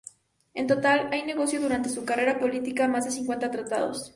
En total, Hay negoció durante su carrera política más de cincuenta tratados.